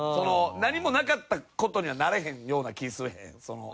何もなかった事にはなれへんような気せえへん？